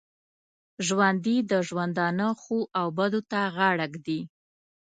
ژوندي د ژوندانه ښو او بدو ته غاړه ږدي